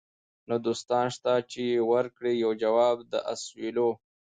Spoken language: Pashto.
نه دوستان سته چي یې ورکړي یو جواب د اسوېلیو